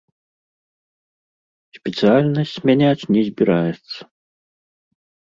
Спецыяльнасць мяняць не збіраецца.